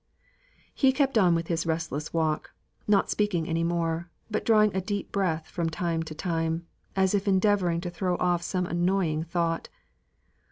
He kept on with his restless walk not speaking any more, but drawing a deep breath from time to time, as if endeavouring to throw off some annoying thought.